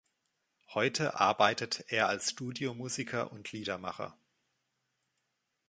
Heute arbeitet er als Studiomusiker und Liedermacher.